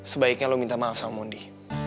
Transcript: sebaiknya lo minta maaf sama mondi